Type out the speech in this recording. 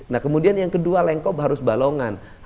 nah kemudian yang kedua lengkop harus balongan